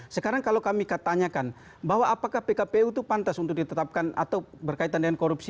sekarang kalau kami katanyakan bahwa apakah pkpu itu pantas untuk ditetapkan atau berkaitan dengan korupsi